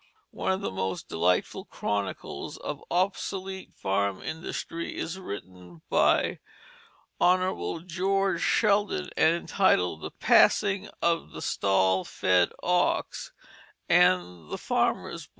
One of the most delightful chronicles of obsolete farm industry is written by Hon. George Sheldon and entitled The Passing of the Stall Fed Ox and the Farmer's Boy.